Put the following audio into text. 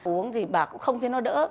uống gì bà cũng không thấy nó đỡ